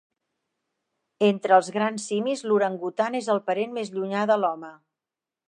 Entre els grans simis l'orangutan és el parent més llunyà de l'home.